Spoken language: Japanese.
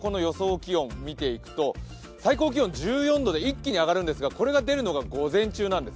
気温見ていくと最高気温１４度で一気に上がるんですが、これが出るのが午前中なんです。